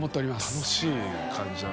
楽しい感じだ